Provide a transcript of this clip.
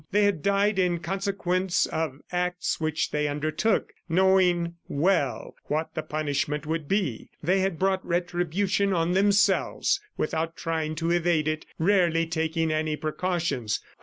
They had died in consequence of acts which they undertook, knowing well what the punishment would be. They had brought retribution on themselves without trying to evade it, rarely taking any precautions.